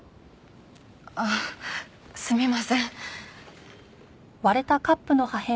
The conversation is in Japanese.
あっすみません。